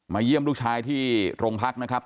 เยี่ยมลูกชายที่โรงพักนะครับ